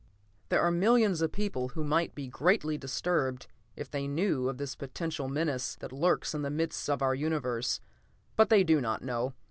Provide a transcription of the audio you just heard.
There are millions of people who might be greatly disturbed if they knew of this potential menace that lurks in the midst of our Universe, but they do not know.